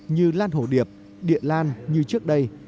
như lan hồ điệp địa lan như trước đây